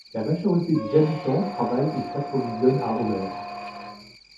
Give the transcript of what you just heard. La majorité des habitants travaillent et s'approvisionnent à Homer.